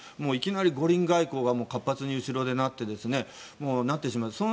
いきなり五輪外交が活発に後ろでなってしまった。